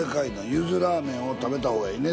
ゆずラーメンを食べた方がええね。